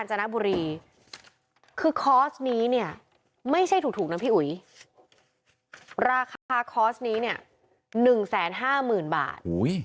ราคาคอร์สนี้เนี่ย๑๕๐๐๐๐๐บาท